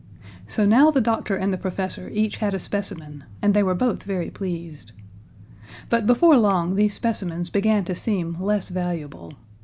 So now the doctor and the professor each had a specimen, and they were both very pleased. But before long these specimens began to seem less valuable.